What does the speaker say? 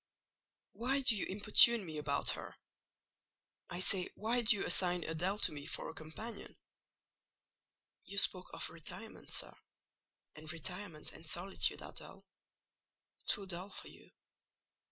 Why do you importune me about her! I say, why do you assign Adèle to me for a companion?" "You spoke of a retirement, sir; and retirement and solitude are dull: too dull for you."